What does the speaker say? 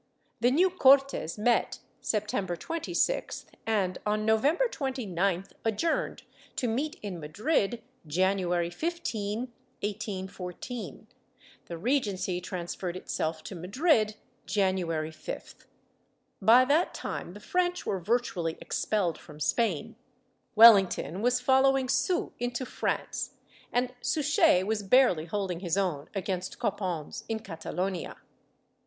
The new Cortes met, September 26th and, on November 29th adjourned to meet in Madrid, January 15, 1814; the Regency transferred itself to Madrid, January 5th. ^ By that time the French were virtually expelled from Spain; Wellington was following Soult into France, and Suchet was barely holding his own against Copons in Catalonia.